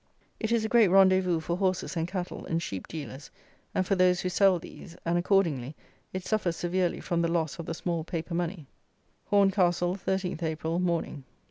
It is a great rendezvous for horses and cattle, and sheep dealers, and for those who sell these; and accordingly, it suffers severely from the loss of the small paper money. _Horncastle, 13th April, Morning.